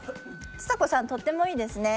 ちさ子さんとってもいいですね。